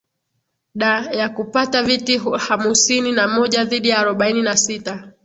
da ya kupata viti hamusini na moja dhidi ya arobaini na sita